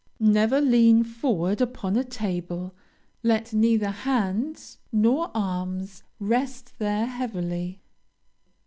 Never lean forward upon a table. Let neither hands nor arms rest there heavily.